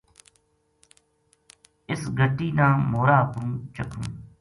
اس گٹی نا مورا اُپروں چَکوں‘‘